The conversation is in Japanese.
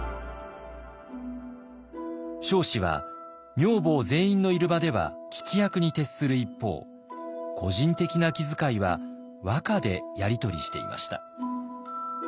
彰子は女房全員のいる場では聞き役に徹する一方個人的な気遣いは和歌でやり取りしていました。